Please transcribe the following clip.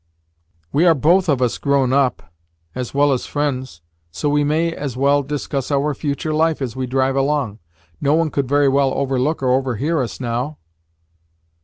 "We are both of us grown up, as well as friends, so we may as well discuss our future life as we drive along. No one could very well overlook or overhear us now."